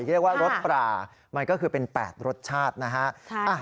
เรียกว่ารสปลามันก็คือเป็น๘รสชาตินะฮะ